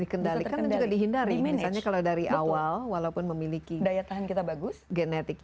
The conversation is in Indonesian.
dikendalikan dan juga dihindari misalnya kalau dari awal walaupun memiliki genetiknya